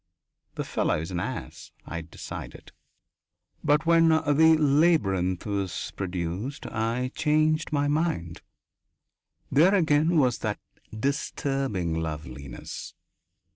"The fellow's an ass," I decided. But when "The Labyrinth" was produced, I changed my mind. There again was that disturbing loveliness.